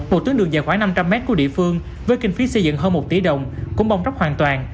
một tuyến đường dài khoảng năm trăm linh m của địa phương với kinh phí xây dựng hơn một tỷ đồng cũng bong chóc hoàn toàn